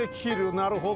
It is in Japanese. なるほど。